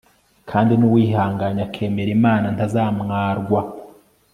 kandi n'uwihanganye akemera imana ntazamwarwa